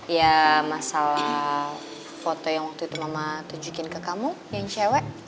ya masalah foto yang waktu itu mama tunjukin ke kamu yang cewek